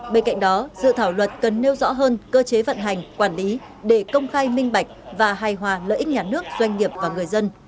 bên cạnh đó dự thảo luật cần nêu rõ hơn cơ chế vận hành quản lý để công khai minh bạch và hài hòa lợi ích nhà nước doanh nghiệp và người dân